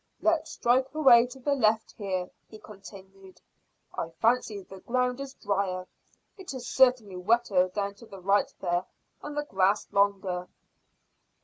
"Let's strike away to the left here," he continued. "I fancy the ground is drier. It is certainly wetter down to the right there, and the grass longer."